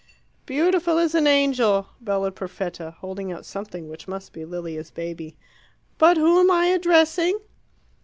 "Beautiful as an angel!" bellowed Perfetta, holding out something which must be Lilia's baby. "But who am I addressing?"